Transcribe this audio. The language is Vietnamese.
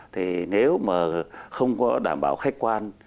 thì nếu mà không có đảm bảo khách quan